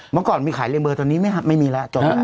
เมื่อก่อนมีขายเรียงเบอร์ตัวนี้ไหมครับไม่มีแล้วจบแล้ว